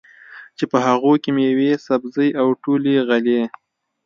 چې په هغو کې مېوې، سبزۍ او ټولې غلې